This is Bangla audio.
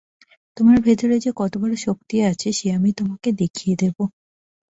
তোমার ভিতরে যে কতবড়ো শক্তি আছে সে আমি তোমাকে দেখিয়ে দেব।